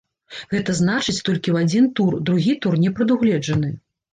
Гэта значыць, толькі ў адзін тур, другі тур не прадугледжаны.